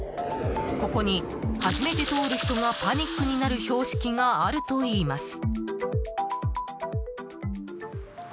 ここに初めて通る人がパニックになる標識があるといいます。